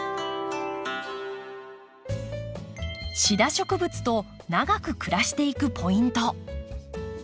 シダ植物と長く暮らしていくポイント。